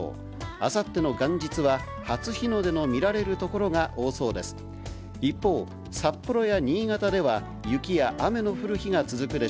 あさっての元日は、初日の出の見られる所が多そうです。